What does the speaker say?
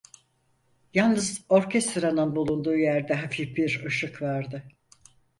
Yalnız orkestranın bulunduğu yerde hafif bir ışık vardı.